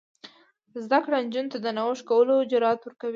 زده کړه نجونو ته د نوښت کولو جرات ورکوي.